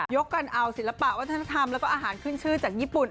กันเอาศิลปะวัฒนธรรมแล้วก็อาหารขึ้นชื่อจากญี่ปุ่น